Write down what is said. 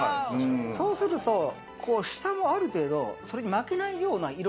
そうすると下もある程度負けないような色。